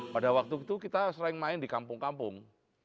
pada waktu itu kita sering main di kampung kampung